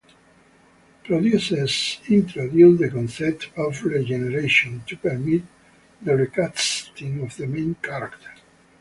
Producers introduced the concept of regeneration to permit the recasting of the main character.